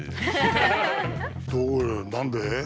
何で？